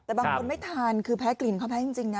แต่บางคนไม่ทานคือแพ้กลิ่นเขาแพ้จริงนะ